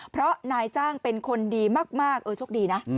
เพราะนายจ้างเป็นคนดีมากเออโชคดีนะ